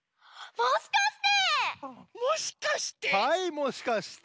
もしかして！